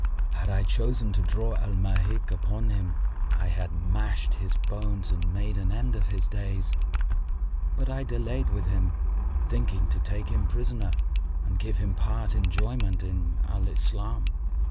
Had I chosen to draw Al Mahik upon him, I had mashed his bones and made an end of his days: but I delayed with him, thinking to take him prisoner and give him part enjoyment in Al Islam."